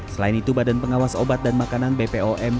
selain itu badan pengawas obat dan makanan bpom